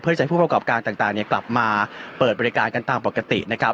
เพื่อจะให้ผู้ประกอบการต่างกลับมาเปิดบริการกันตามปกตินะครับ